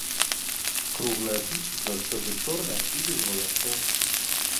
Круглая пыса заўсёды чорная і без валасоў.